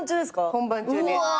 本番中に。